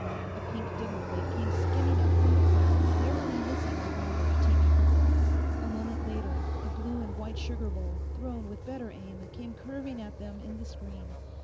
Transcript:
A pink dinner plate came skimming up from the crowd, narrowly missing the wired TV pickup. A moment later, a blue and white sugar bowl, thrown with better aim, came curving at them in the screen.